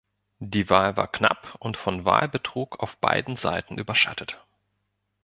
Die Wahl war knapp und von Wahlbetrug auf beiden Seiten überschattet.